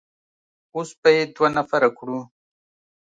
اوس به يې دوه نفره کړو.